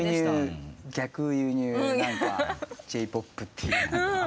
逆輸入Ｊ−ＰＯＰっていう何か。